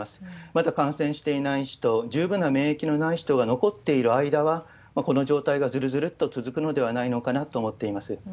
まだ感染していない人、十分な免疫のない人が残っている間は、この状態がずるずるっと続くのではないかなと思っています。